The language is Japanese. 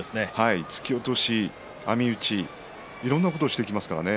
突き落とし、網打ちいろんなことをしてきますからね。